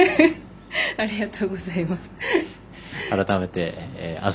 ありがとうございます。